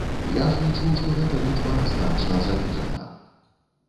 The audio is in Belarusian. Я ж лічу, што гэта лічба значна заніжана.